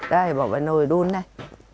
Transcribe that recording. đây bỏ vào nồi đun này